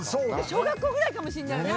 小学校ぐらいかもしんないね。